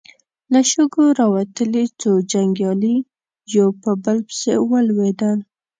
له شګو راوتلې څو جنګيالي يو په بل پسې ولوېدل.